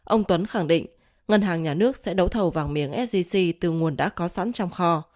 ông tuấn khẳng định ngân hàng nhà nước sẽ đấu thầu vàng miếng sgc từ nguồn đã có sẵn trong kho